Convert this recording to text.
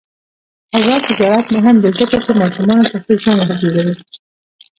آزاد تجارت مهم دی ځکه چې ماشومانو ته ښه ژوند جوړوي.